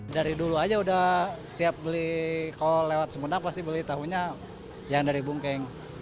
dari dulu aja udah tiap beli kalau lewat sumedang pasti beli tahunya yang dari bungkeng